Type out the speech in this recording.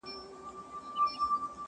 زه وایم داسي وو لکه بې جوابه وي سوالونه،